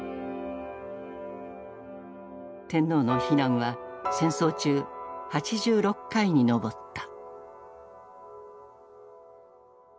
天皇の避難は戦争中８６回に上った。